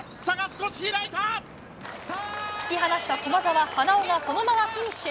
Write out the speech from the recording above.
引き離した駒澤、花尾がそのままフィニッシュ！